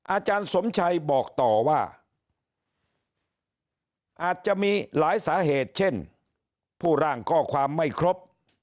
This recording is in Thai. อาจารย์สมชัยบอกต่อว่าอาจจะมีหลายสาเหตุเช่นผู้ร่างข้อความไม่ครบ